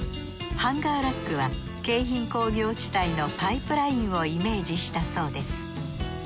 ハンガーラックは京浜工業地帯のパイプラインをイメージしたそうです。